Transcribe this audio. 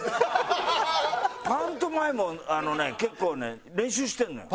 パントマイムをあのね結構ね練習してるのよ。